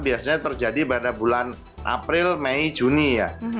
biasanya terjadi pada bulan april mei juni ya